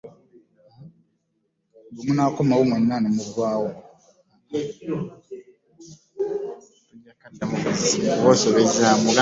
Bwe nakomawo mwenna ne muvaawo.